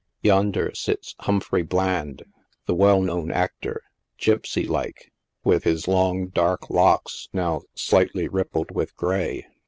Yonder sits Humphrey Bland, the well known actor, gypsy like, with his long, dark locks, now slightly rip pled with grey.